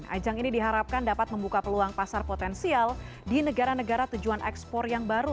ajang ini diharapkan dapat membuka peluang pasar potensial di negara negara tujuan ekspor yang baru